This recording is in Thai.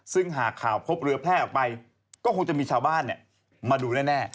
ซึ่งหากข่าวพบเรือแพร่ออกไปก็คงจะมีชาวบ้านมาดูแน่